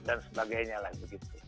dan sebagainya lagi begitu